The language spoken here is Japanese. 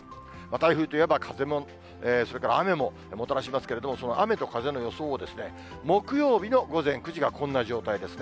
台風といえば風も、それから雨ももたらしますけれども、その雨と風の予想を、木曜日の午前９時がこんな状態ですね。